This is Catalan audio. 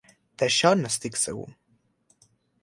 D'això n'estic segur.